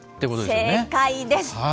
正解です。